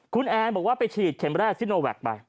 คุณแอนบอกว่าไปฉีดเข็มแรกซิโนแวคไป